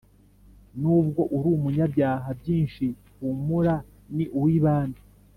Nubwo uri umunyabyaha byinshi humura ni uwibambe